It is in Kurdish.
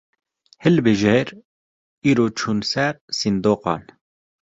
Hilbijêr, îro çûn ser sindoqan